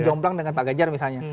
jomplang dengan pak ganjar misalnya